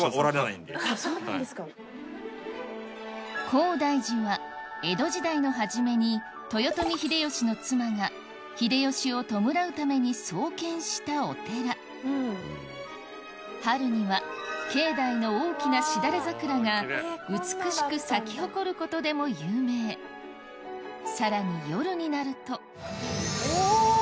高台寺は江戸時代の初めに豊臣秀吉の妻が秀吉を弔うために創建したお寺春には境内の大きなしだれ桜が美しく咲き誇ることでも有名さらに夜になるとおぉ！